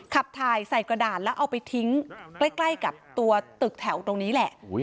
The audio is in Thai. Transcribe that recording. ขับถ่ายใส่กระดาษแล้วเอาไปทิ้งใกล้กับตัวตึกแถวตรงนี้แหละ